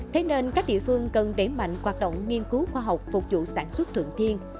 thế nên các địa phương cần đẩy mạnh hoạt động nghiên cứu khoa học phục vụ sản xuất thuận thiên